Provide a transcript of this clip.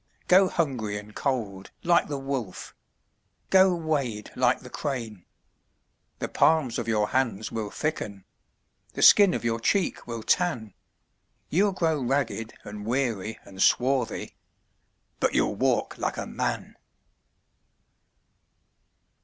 Go hungry and cold like the wolf, Go wade like the crane:The palms of your hands will thicken, The skin of your cheek will tan, You 'll grow ragged and weary and swarthy, But you 'll walk like a man!